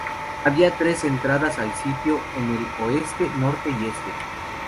Había tres entradas al sitio, en el oeste, norte y este.